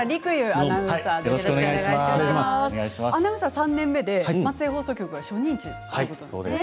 アナウンサー３年目で松江放送局が初任地なんですね。